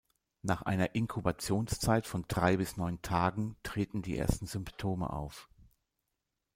Nach einer Inkubationszeit von drei bis neun Tagen treten die ersten Symptome auf.